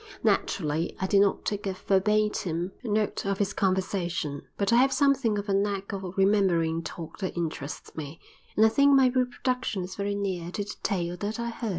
Naturally, I did not take a verbatim note of his conversation, but I have something of a knack of remembering talk that interests me, and I think my reproduction is very near to the tale that I heard.